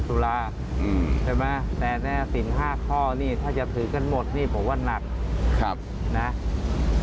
แต่สิ่ง๕ข้อนี้ที่ถือกันหมดนี่แบบนี้พูดว่านัก